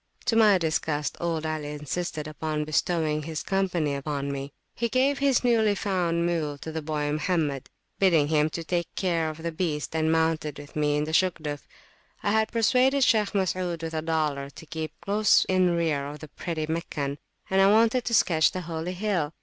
To my disgust, old Ali insisted upon bestowing his company upon me. He gave over his newly found mule to the boy Mohammed, bidding him take care of the beast, and mounted with me in the Shugduf. I had persuaded Shaykh Masud, with a dollar, to keep close in rear of the pretty Meccan; and I wanted to sketch the Holy Hill.